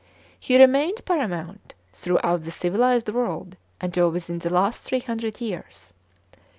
He remained paramount throughout the civilized world until within the last three hundred years.